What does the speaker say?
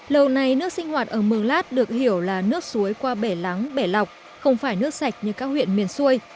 lâu nay nước sinh hoạt ở mường lát được hiểu là nước suối qua bể lắng bể lọc không phải nước sạch như các huyện miền xuôi